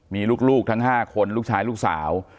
มีลูกทั้ง๕คนลูกชายลูกสาว